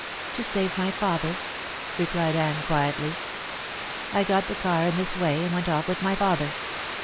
"To save my father," replied Anne quietly. "I got the car in this way and went off with my father.